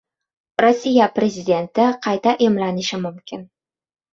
Rossiya Prezidenti qayta emlanishi mumkin